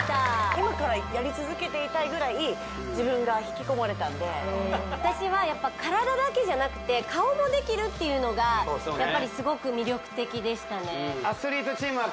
今からやり続けていたいぐらい自分が引き込まれたんで私はやっぱ体だけじゃなくて顔もできるっていうのがやっぱりすごく魅力的でしたね